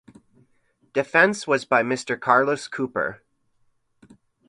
Defence was by Mr Carlos Cooper.